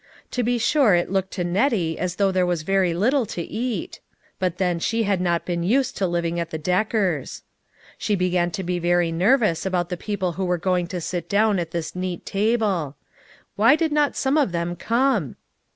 To be sure it looked to Nettie as though there was very little to eat ; but then she had not been used to living at the Deckers. She began to be very nervous about the people who were going to sit down at this neat table. Why did not some of them come